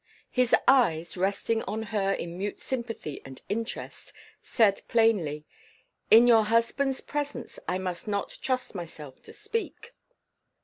His eyes, resting on her in mute sympathy and interest, said plainly, "In your husband's presence I must not trust myself to speak."